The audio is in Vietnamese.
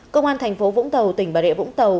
công an thành phố vũng tàu tỉnh bà rịa vũng tàu